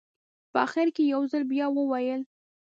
په اخره کې یې یو ځل بیا وویل.